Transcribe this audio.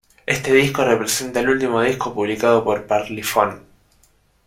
Este disco representa el último disco publicado con Parlophone.